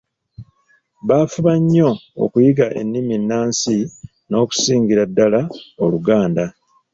baafuba nnyo okuyiga ennimi ennansi n’okusingira ddala Oluganda